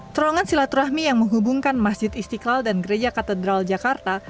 terowongan silaturahmi yang menghubungkan masjid istiqlal dan gereja katedral jakarta